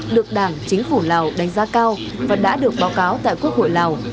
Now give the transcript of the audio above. được đảng chính phủ lào đánh giá cao và đã được báo cáo tại quốc hội lào